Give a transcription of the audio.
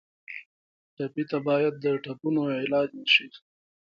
ټپي ته باید د ټپونو علاج وشي.